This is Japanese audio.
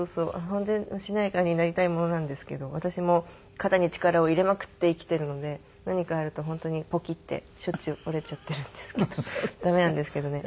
本当にしなやかになりたいものなんですけど私も肩に力を入れまくって生きてるので何かあると本当にポキッてしょっちゅう折れちゃってるんですけどダメなんですけどね。